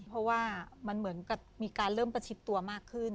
เพราะว่ามันเหมือนกับมีการเริ่มประชิดตัวมากขึ้น